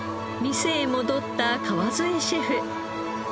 店へ戻った川副シェフ。